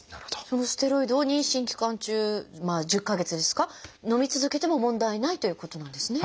そのステロイドを妊娠期間中１０か月ですかのみ続けても問題ないということなんですね。